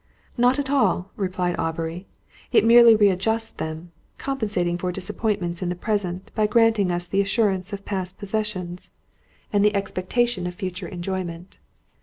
"Not at all," replied Aubrey. "It merely readjusts them, compensating for disappointments in the present, by granting us the assurance of past possessions, and the expectation of future enjoyment.